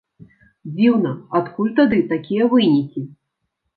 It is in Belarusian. Дзіўна, адкуль тады такія вынікі!